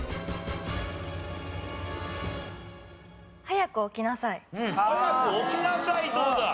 早く起きなさいどうだ？